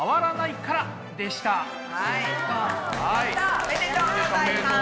おめでとうございます。